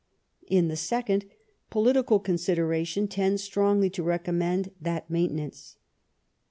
In the second, political consideration tends strongly to recommend that maintenance.